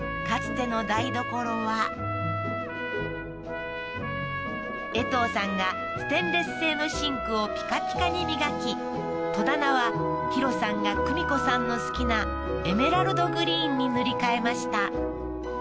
かつての台所はえとうさんがステンレス製のシンクをピカピカに磨き戸棚はヒロさんが久美子さんの好きなエメラルドグリーンに塗り替えました